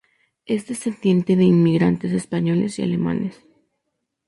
Es descendiente de inmigrantes españoles y alemanes.